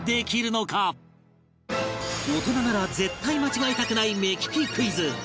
大人なら絶対間違えたくない目利きクイズ